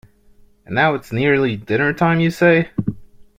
And now it's nearly dinner-time, you say?